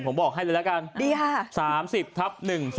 เห็นผมบอกให้เลยละกัน๓๐ทับ๑๒๕